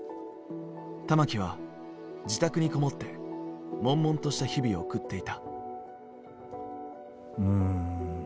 玉置は自宅に籠もって悶々とした日々を送っていた。